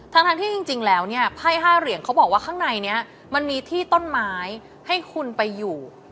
ทั้งที่จริงแล้วเนี่ยไพ่๕เหรียญเขาบอกว่าข้างในนี้มันมีที่ต้นไม้ให้คุณไปอยู่